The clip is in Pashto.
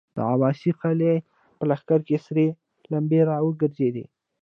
د عباس قلي په لښکر کې سرې لمبې را وګرځېدې.